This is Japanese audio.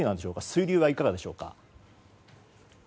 水流はどうでしょうか。